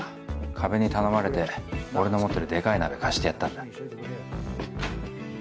加部に頼まれて俺の持ってるでかい鍋貸してやったんだ。